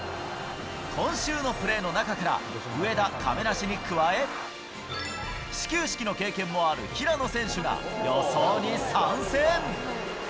今週のプレーの中から、上田、亀梨に加え、始球式の経験もある平野選手が、予想に参戦。